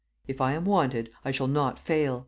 If I am wanted, I shall not fail."